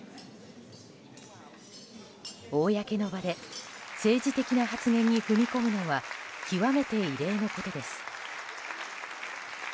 公の場で政治的な発言に踏み込むのは極めて異例のことです。